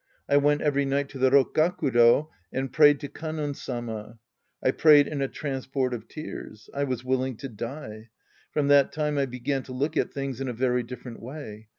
I went every night to the Rokkakudo and prayed to Kannon Sama. I prayed in a transport of tears. I was willing to die. From that time I began to look at things in a very different way.